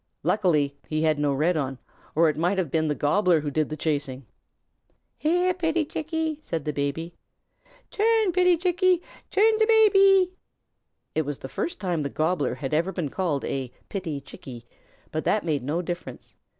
Luckily he had no red on, or it might have been the Gobbler who did the chasing. "Here, pitty Chickie!" said the Baby. "Tum, pitty Chickie! Tum to Baby." It was the first time the Gobbler had ever been been called a "pitty Chickie," but that made no difference.